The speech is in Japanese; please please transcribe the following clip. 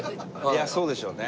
いやそうでしょうね。